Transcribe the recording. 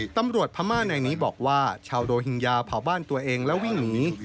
พม่าในนี้บอกว่าชาวโรฮิงญาเผาบ้านตัวเองแล้ววิ่งหนี